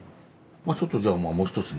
ちょっとじゃあもう一つの。